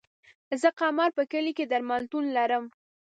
زه قمر په کلي کی درملتون لرم